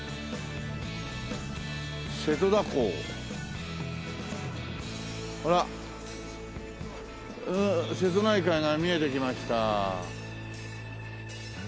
「瀬戸田港」ほら瀬戸内海が見えてきました。